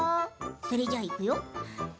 それじゃあ、いくよー。